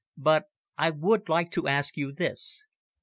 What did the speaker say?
But I would like to ask you this.